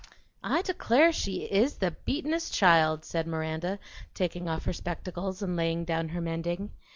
"I declare she IS the beatin'est child!" said Miranda, taking off her spectacles and laying down her mending.